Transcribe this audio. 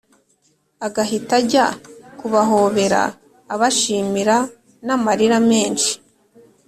agahita ajya kubahobera abashimira namarira menshi